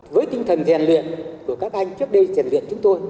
với tinh thần rèn luyện của các anh